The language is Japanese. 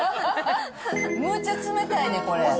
むっちゃ冷たいね、これ。